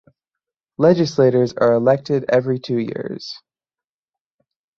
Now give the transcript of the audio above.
Legislators are elected every two years.